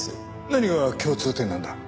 何が共通点なんだ？